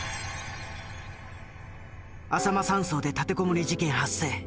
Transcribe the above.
あさま山荘で立てこもり事件発生。